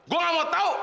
gue gak mau tau